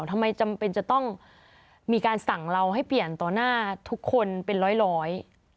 ทำไมจำเป็นจะต้องมีการสั่งเราให้เปลี่ยนต่อหน้าทุกคนเป็นร้อยร้อย